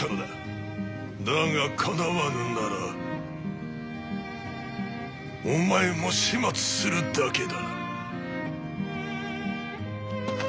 だがかなわぬならお前も始末するだけだ。